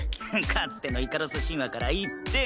かつてのイカロス神話から一転。